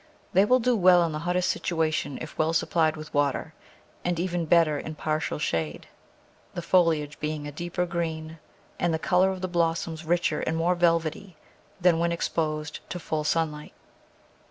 They will do well in the hottest situa tion if well supplied with water, and even better in partial shade — the foliage being a deeper green and the colour of the blossoms richer and more velvety than when exposed to full sunlight.